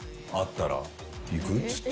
「行く？」っつって。